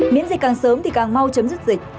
miễn dịch càng sớm thì càng mau chấm dứt dịch